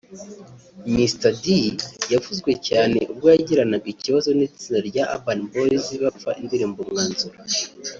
Mr D yavuzwe cyane ubwo yagiranaga ikibazo n’itsinda rya Urban Boys bapfa indirimbo ’Umwanzuro’